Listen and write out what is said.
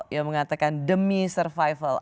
yang mengatakan demi survival